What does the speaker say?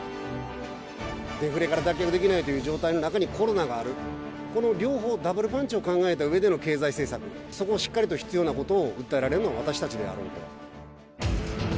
デフレから脱却できないという状態の中にコロナがある、この両方、ダブルパンチを考えたうえでの経済政策、そこをしっかりと必要なことを訴えられるのは私たちであろうと。